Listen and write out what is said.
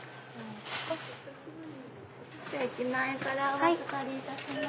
１万円からお預かりいたします。